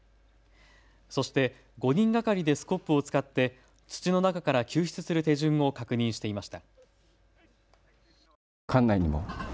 そして５人がかりでスコップを使って土の中から救出する手順を確認していました。